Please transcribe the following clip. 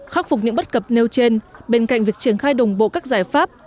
khắc phục những bất cập nêu trên bên cạnh việc triển khai đồng bộ các giải pháp